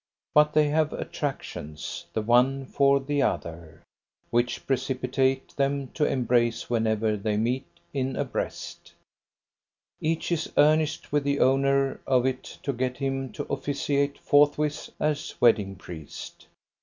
But they have attractions, the one for the other, which precipitate them to embrace whenever they meet in a breast; each is earnest with the owner of it to get him to officiate forthwith as wedding priest.